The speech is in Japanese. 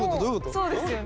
そうですよね？